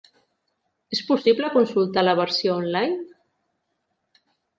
És possible consultar la versió online?